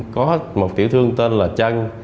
có một tiểu thương tên là trăng